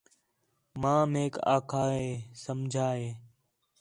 ماں میک آکھا ہے سمجھا ہے